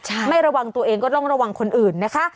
ใช่ไม่ระวังตัวเองก็ต้องระวังคนอื่นนะคะ